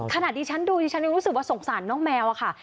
ขนาดที่ฉันดูฉันยังคิดสงสารน้องแมวอะค่ะ